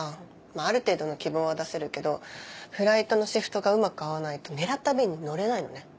ある程度の希望は出せるけどフライトのシフトがうまく合わないと狙った便に乗れないのね。